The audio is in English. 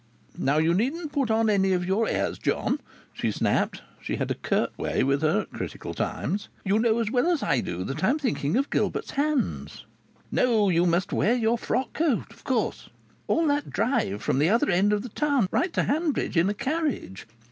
"Now you needn't put on any of your airs, John!" she snapped. She had a curt way with her at critical times. "You know as well as I do that I'm thinking of Gilbert's hands.... No! you must wear your frock coat, of course!... All that drive from the other end of the town right to Hanbridge in a carriage!